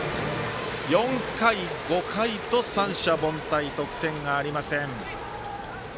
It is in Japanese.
４回、５回と三者凡退と得点がありません。